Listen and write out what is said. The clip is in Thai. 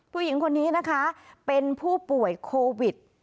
ผู้หญิงคนนี้นะคะเป็นผู้ป่วยโควิด